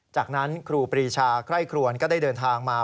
จากนั้นครูปรีชาไคร่ครวนก็ได้เดินทางมา